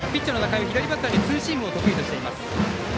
ピッチャーの仲井は左バッターにツーシームを得意としています。